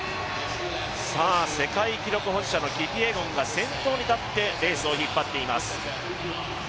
世界記録保持者のキピエゴンが先頭に立ってレースを引っ張っています。